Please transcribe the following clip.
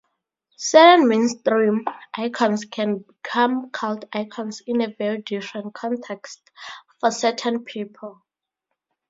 Certain mainstream icons can become cult icons in a different context for certain people.